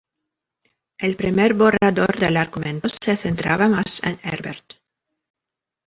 El primer borrador del argumento se centraba más en Herbert.